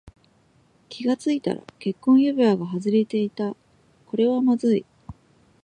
気がついたら結婚指輪が外れていた。これはまずい。